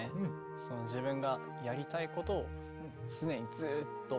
その自分がやりたいことを常にずっと。